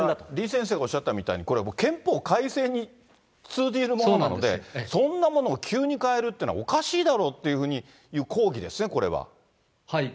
李先生がおっしゃったみたいに、これ、憲法改正に通じるものなので、そんなものを急に変えるっておかしいだろうっていう抗議ですね、はい。